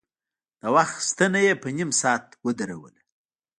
د وخت ستنه يې په نيم ساعت ودروله.